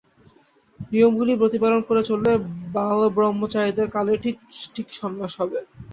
নিয়মগুলি প্রতিপালন করে চললে বালব্রহ্মচারীদের কালে ঠিক ঠিক সন্ন্যাস হবে।